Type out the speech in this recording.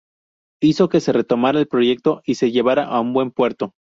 Hizo que se retomara el proyecto y se llevara a buen puerto.